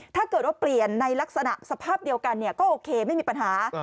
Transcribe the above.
ถ้าเกิดว่าเปลี่ยนในลักษณะสภาพเดียวกันก็โอเคไม่มีปัญหา